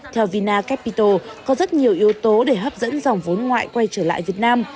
theo vina capito có rất nhiều yếu tố để hấp dẫn dòng vốn ngoại quay trở lại việt nam